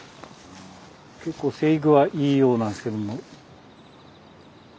結構生育はいいようなんですけども。